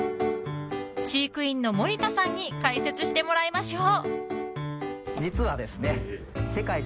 飼育員の森田さんに解説してもらいましょう。